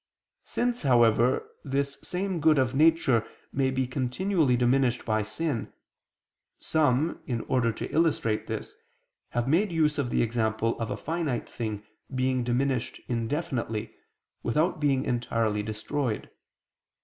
Since, however, this same good of nature may be continually diminished by sin, some, in order to illustrate this, have made use of the example of a finite thing being diminished indefinitely, without being entirely destroyed.